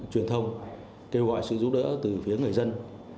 truyền thông kêu gọi sự giúp đỡ từ phía người dân